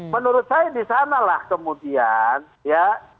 menurut saya disanalah kemudian ya